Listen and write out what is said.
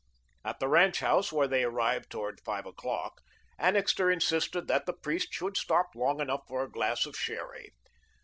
At the ranch house, where they arrived toward five o'clock, Annixter insisted that the priest should stop long enough for a glass of sherry.